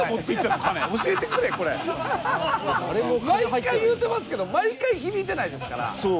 毎回言うてますけど毎回響いてないですから。